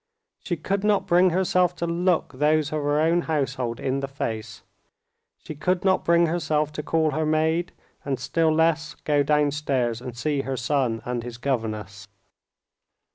She could not bring herself to look those of her own household in the face. She could not bring herself to call her maid, and still less go downstairs and see her son and his governess.